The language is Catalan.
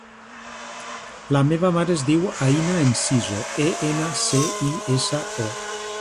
La meva mare es diu Aïna Enciso: e, ena, ce, i, essa, o.